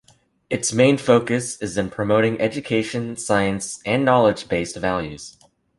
Its main focus is in promoting education, science and knowledge-based values.